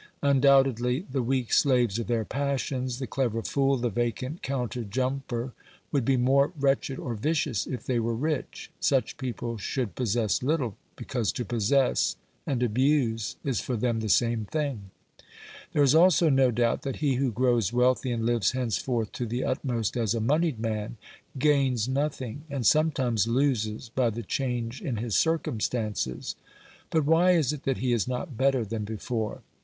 Undoubtedly, the weak slaves of their passions, the clever fool, the vacant counterjumper would be more wretched or vicious if they were rich ; such people should possess little, because to possess and abuse is for them the same thing. There is also no doubt that he who grows wealthy and lives hence forth to the utmost as a monied man, gains nothing, and sometimes loses by the change in his circumstances. But OBERMANN 113 why is it that he is not better than before